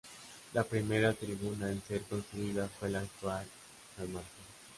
La primera tribuna en ser construida fue la actual San Martín.